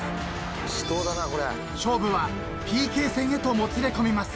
［勝負はＰＫ戦へともつれ込みます］